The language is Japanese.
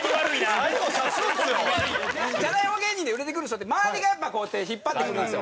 じゃない方芸人で売れてくる人って周りがやっぱこうやって引っ張ってくるんですよ。